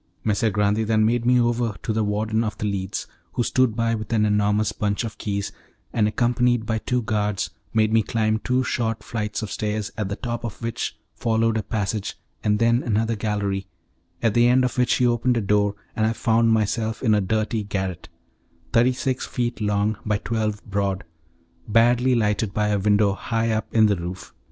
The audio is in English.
Messer Grande then made me over to the warden of The Leads, who stood by with an enormous bunch of keys, and accompanied by two guards, made me climb two short flights of stairs, at the top of which followed a passage and then another gallery, at the end of which he opened a door, and I found myself in a dirty garret, thirty six feet long by twelve broad, badly lighted by a window high up in the roof.